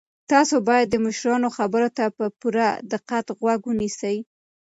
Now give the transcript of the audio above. تاسو باید د مشرانو خبرو ته په پوره دقت غوږ ونیسئ.